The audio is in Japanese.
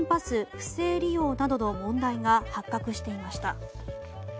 不正利用などの問題が発覚していました。